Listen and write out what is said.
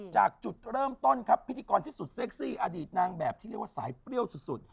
จากจุดเริ่มต้นครับพิธีกรที่สุดเซ็กซี่อดีตนางแบบที่เรียกว่าสายเปรี้ยวสุด